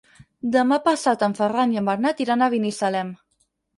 Demà passat en Ferran i en Bernat iran a Binissalem.